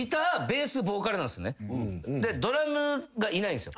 ドラムがいないんすよ。